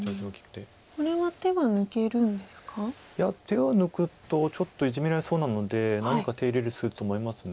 いや手を抜くとちょっとイジメられそうなので何か手入れすると思います。